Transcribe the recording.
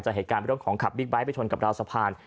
เหตุการณ์เรื่องของขับบิ๊กไบท์ไปชนกับราวสะพาน